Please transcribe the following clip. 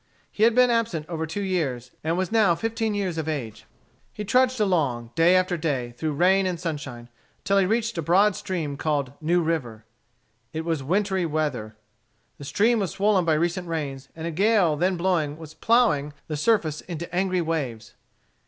He had been absent over two years, and was new fifteen years of age. He trudged along, day after day, through rain and sunshine, until he reached a broad stream called New River. It was wintry weather. The stream was swollen by recent rains, and a gale then blowing was ploughing the surface into angry waves.